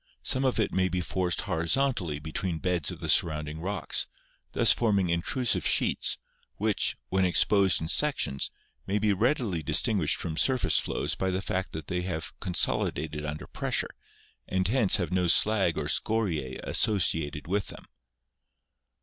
Some of it may be forced horizon tally between beds of the surrounding rocks, thus forming intrusive sheets, which, when exposed in sections, may be readily distinguished from surface flows by the fact that they have consolidated under pressure, and hence have no slag or scoriae associated with them.